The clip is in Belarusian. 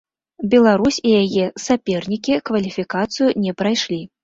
Беларусь і яе сапернікі кваліфікацыю не прайшлі.